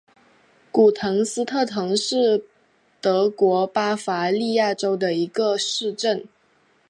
古滕斯特滕是德国巴伐利亚州的一个市镇。